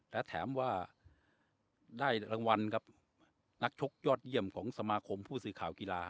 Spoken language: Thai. และแถมว่าได้รางวัลกับนักชกยอดเยี่ยมของสมาคมผู้สื่อข่าวกีฬา